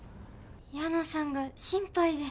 矢野さんが心配で。